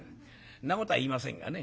そんなことは言いませんがね。